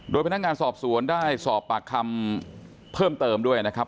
โดยพนักงานสอบสวนได้สอบปากคำเพิ่มเติมด้วยนะครับ